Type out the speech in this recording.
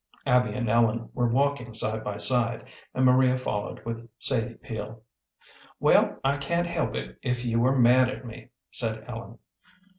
Abby and Ellen were walking side by side, and Maria followed with Sadie Peel. "Well, I can't help it if you are mad at me," said Ellen.